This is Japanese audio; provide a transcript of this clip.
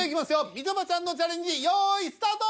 みちょぱちゃんのチャレンジ用意スタート。